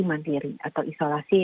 mandiri atau isolasi